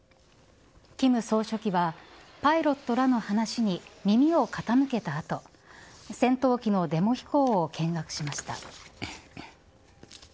金総書記はパイロットらの話に耳を傾けた後戦闘機のデモ飛行を見学しました。